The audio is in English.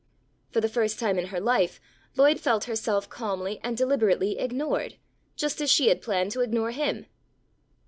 For the first time in her life Lloyd felt herself calmly and deliberately ignored, just as she had planned to ignore him.